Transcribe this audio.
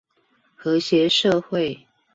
和諧社會